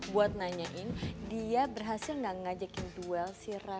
buat nanyain dia berhasil nggak ngajakin duel si workers